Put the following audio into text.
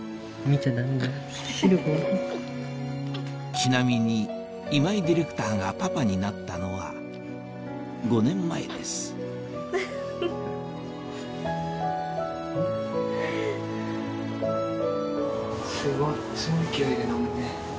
ちなみに今井ディレクターがパパになったのは５年前ですすごい勢いで飲むね。